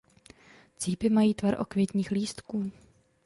Cípy mají tvar okvětních lístků.